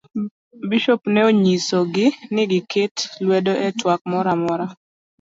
bisop ne onyiso gi ni giket lwedo e twak moro amora.